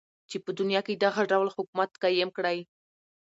چی په دنیا کی دغه ډول حکومت قایم کړی.